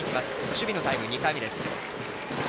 守備のタイム２回目。